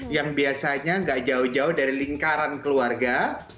yang biasanya gak jauh jauh dari lingkaran keluarga